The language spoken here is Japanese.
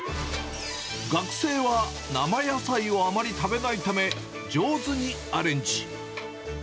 学生は生野菜をあまり食べないため、上手にアレンジ。